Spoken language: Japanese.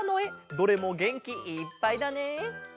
どれもげんきいっぱいだね。